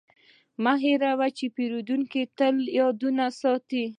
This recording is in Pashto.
مه هېروه چې پیرودونکی تل یاد ساتي.